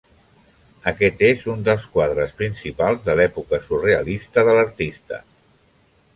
Aquest és un dels quadres principals de l'època surrealista de l'artista.